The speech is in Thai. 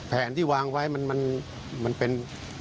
แผนที่วางไว้มันเป็น